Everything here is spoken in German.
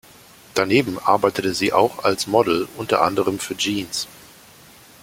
Daneben arbeitete sie auch als Model, unter anderem für Jeans.